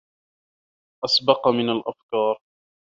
أسبق من الأفكار